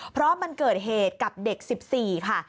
เพราะมันเกิดเหตุกับเด็ก๑๔ค่ะ